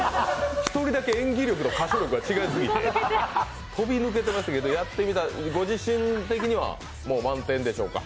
１人だけ演技力と歌唱力が違いすぎて、飛び抜けてましたけど、やってみてご自身てきには満点ですか？